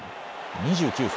２９分。